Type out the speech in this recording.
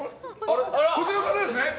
こちらの方ですね！